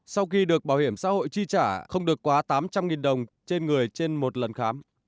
sau khi được bảo hiểm xã hội chi trả không được quá tám trăm linh đồng trên người trên một lần khám